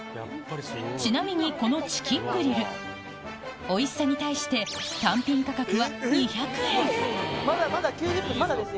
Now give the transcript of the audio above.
ちなみにこのチキングリルおいしさに対してまだまだ９０分まだですよ。